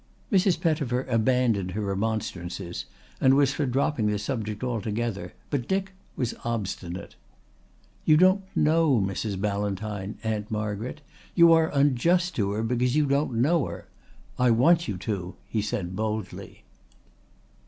Mrs. Pettifer abandoned her remonstrances and was for dropping the subject altogether. But Dick was obstinate. "You don't know Mrs. Ballantyne, Aunt Margaret. You are unjust to her because you don't know her. I want you to," he said boldly.